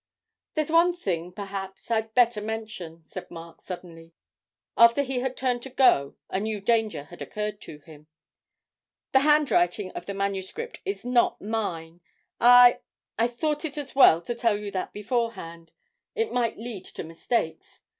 'There's one thing, perhaps, I'd better mention,' said Mark suddenly; after he had turned to go a new danger had occurred to him, 'the handwriting of the manuscript is not mine. I I thought it as well to tell you that beforehand; it might lead to mistakes.